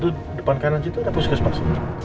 itu depan kanan kita ada puskesmas